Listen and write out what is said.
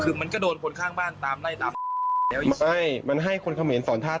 คือมันก็โดนคนข้างบ้านตามไล่ตาม